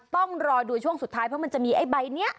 ต้องรอดูช่วงสุดท้ายเพราะมันจะมีไอ้ใบนี้